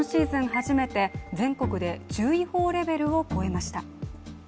初めて全国で注意報レベルを超えました。